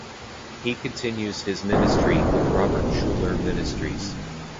He continues his ministry with Robert Schuller Ministries.